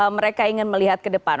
mereka ingin melihat ke depan